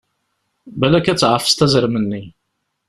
Balak ad tɛefseḍ azrem-nni!